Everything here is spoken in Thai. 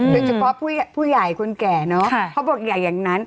โดยเฉพาะผู้ใหญ่คนแก่เนอะเขาบอกอย่าอย่างนั้น